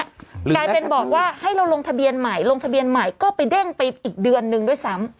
กลายเป็นบอกว่าให้เราลงทะเบียนใหม่ลงทะเบียนใหม่ก็ไปเด้งไปอีกเดือนนึงด้วยซ้ำ